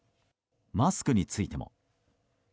マスクについても。